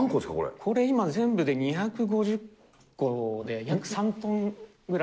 これ今、全部で２５０個で、約３トンぐらい。